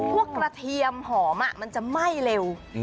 กระเทียมหอมมันจะไหม้เร็ว